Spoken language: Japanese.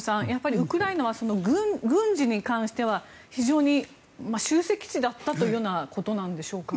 ウクライナは軍事に関しては非常に集積地だったというようなことなんでしょうか。